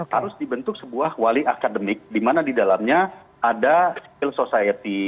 harus dibentuk sebuah wali akademik di mana di dalamnya ada civil society